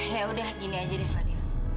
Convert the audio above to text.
ya udah gini aja deh fadil